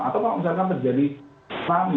atau misalkan terjadi tsunami